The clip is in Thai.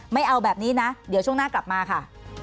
ไม่เอาแบบนี้นะเดี๋ยวช่วงหน้ากลับมาค่ะ